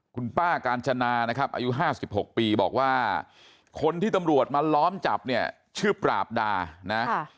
คุณป้ากาญจนานะครับอายุ๕๖ปีบอกว่าคนที่ตำรวจมาล้อมจับเนี่ยชื่อปราบดานะ